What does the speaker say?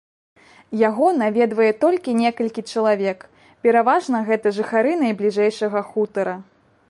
Яго наведвае толькі некалькі чалавек, пераважна гэта жыхары найбліжэйшага хутара.